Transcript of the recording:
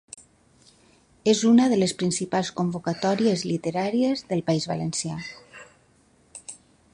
És una de les principals convocatòries literàries del País Valencià.